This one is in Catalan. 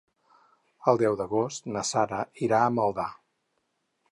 El deu d'agost na Sara irà a Maldà.